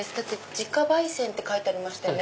自家焙煎って書いてありましたね。